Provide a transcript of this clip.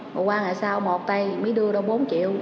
một qua ngày sau một tay mới đưa ra bốn triệu